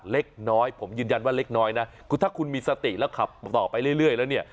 เล็กน้อยผมยืนยันว่าเล็กน้อยนะคือถ้าคุณมีสติแล้วขับต่อไปเรื่อยแล้วเนี่ย